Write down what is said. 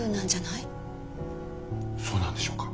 そうなんでしょうか。